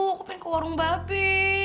aku pengen ke warung babi